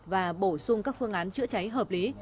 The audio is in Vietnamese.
và bổ sung các phương án chữa cháy hợp lý